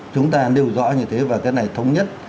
chúng ta nêu rõ như thế và cái này thống nhất